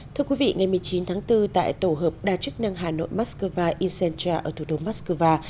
thưa quý vị ngày một mươi chín tháng bốn tại tổ hợp đa chức năng hà nội moscow incentra ở thủ đô moscow